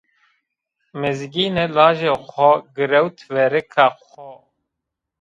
Mizgîne lajê xo girewt verika xo